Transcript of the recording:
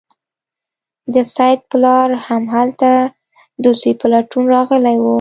د سید پلار هم هلته د زوی په لټون راغلی و.